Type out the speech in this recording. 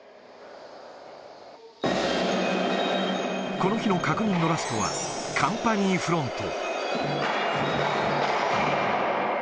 この日の確認のラストは、カンパニーフロント。